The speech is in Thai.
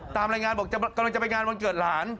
ตามรายงานบอกกำลังจะไปงานวันเกิดหลาน